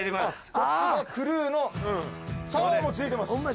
こっちがクルーのシャワーもついてます